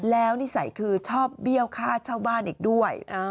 แล้วนิสัยคือชอบเบี้ยวค่าเช่าบ้านอีกด้วย